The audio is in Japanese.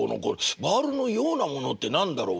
バールのようなものって何だろう。